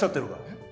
えっ？